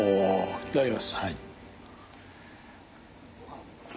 いただきます。